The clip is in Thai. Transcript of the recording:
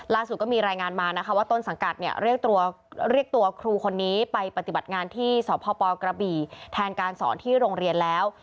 ก็มีรายงานมานะคะว่าต้นสังกัดเนี่ยเรียกตัวครูคนนี้ไปปฏิบัติงานที่สพกระบี่แทนการสอนที่โรงเรียนแล้ว